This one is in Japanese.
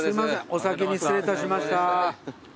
お先に失礼いたしました。